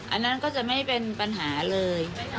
อันนั้นก็จะไม่เป็นปัญหาเลย